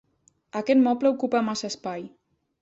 Aquest moble ocupa massa espai.